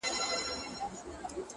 • دغه ځوز مي له پښې وکاږه نور ستا یم ,